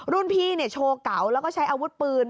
รุ่นพี่โชว์เก๋าแล้วก็ใช้อาวุธปืน